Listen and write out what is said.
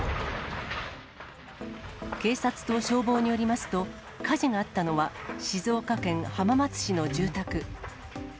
警察と消防によりますと、火事があったのは静岡県浜松市の住宅。